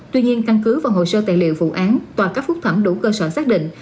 tuy nhiên căn cứ vào hồ sơ tài liệu vụ án tòa cấp phúc thẩm đủ cơ sở xác định